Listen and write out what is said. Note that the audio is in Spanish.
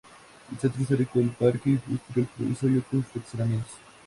El centro Histórico, el Parque Industrial Progreso, y otros fraccionamientos.